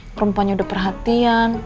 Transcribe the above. perempuannya udah perhatian